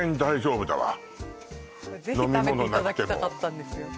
ぜひ食べていただきたかったんですよ